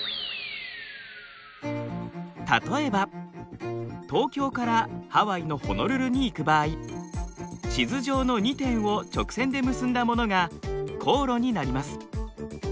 例えば東京からハワイのホノルルに行く場合地図上の２点を直線で結んだものが航路になります。